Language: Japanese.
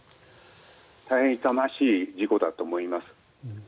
大変痛ましい事故だと思います。